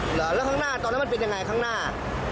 หรือแล้วข้างหน้าตอนนั้นมันปิดอย่างไรข้างหน้า